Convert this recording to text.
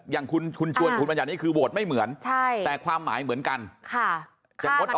อย่างคุณชวนคุณบัญญัตินี้คือโหวตไม่เหมือนแต่ความหมายเหมือนกัน